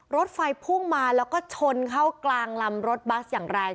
รถไฟพุ่งมาแล้วก็ชนเข้ากลางลำรถบัสอย่างแรง